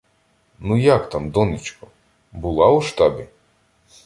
— Ну, як там, донечко? Була у штабі?